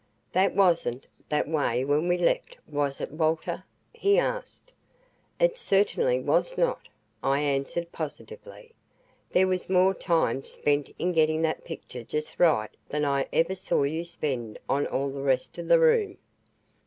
"That wasn't that way when we left, was it, Walter?" he asked. "It certainly was not," I answered positively, "There was more time spent in getting that picture just right than I ever saw you spend on all the rest of the room."